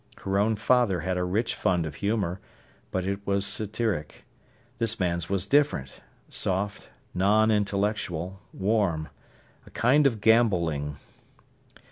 Her own father had a rich fund of humour, but it was satiric. This man's was different: soft, non intellectual, warm, a kind of gambolling.